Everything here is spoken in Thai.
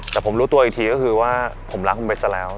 แต่ผมรู้ตัวอีกทีก็คือว่าผมรักคุณเบสซะแล้ว